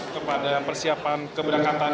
kepada persiapan keberangkatan